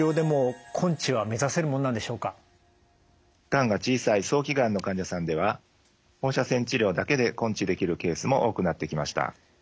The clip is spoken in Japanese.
がんが小さい早期がんの患者さんでは放射線治療だけで根治できるケースも多くなってきました。